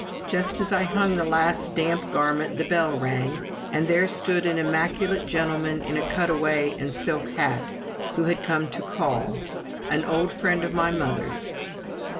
Just as I hung the last damp garment, the bell rang, and there stood an immaculate gentleman in a cutaway and silk hat, who had come to call an old friend of my mother's.